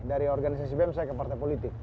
dari organisasi bem saya ke partai politik